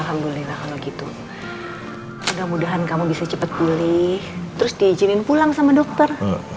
alhamdulillah kalau gitu mudah mudahan kamu bisa cepat pulih terus diizinin pulang sama dokter